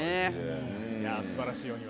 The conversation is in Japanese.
すばらしいお庭。